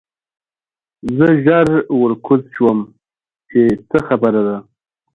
زه ژر ورکوز شوم چې څه خبره ده